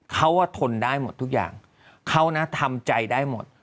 เขาว่าทนได้หมดทุกอย่างเขานะทำใจได้หมด